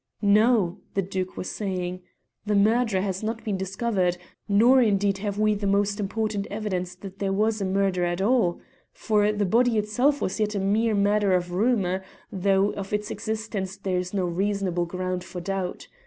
"No," the Duke was saying; "the murderer has not been discovered, nor indeed have we the most important evidence that there was a murder at all for the body itself is as yet a mere matter of rumour, though of its existence there is no reasonable ground for doubt.